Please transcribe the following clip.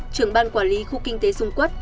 trưởng ban quản lý khu kinh tế dung quất